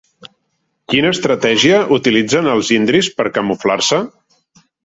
Quina estratègia utilitzen els indris per camuflar-se?